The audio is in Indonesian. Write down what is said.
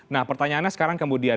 nah pertanyaannya sekarang kemudian